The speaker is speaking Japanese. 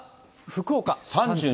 福岡。